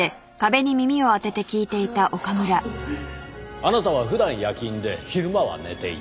あなたは普段夜勤で昼間は寝ていた。